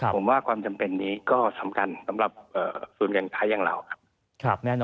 ผมว่าความจำเป็นนี้ก็สำคัญสำหรับภูมิธ้ายังเรา